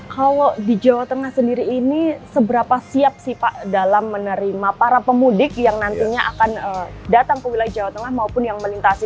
kalau di jawa tengah sendiri ini seberapa siap sih pak dalam menerima para pemudik yang nantinya akan datang ke wilayah jawa tengah maupun yang melintasi